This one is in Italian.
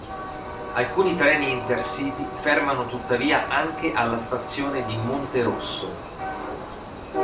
Alcuni treni Intercity fermano tuttavia anche alla Stazione di Monterosso.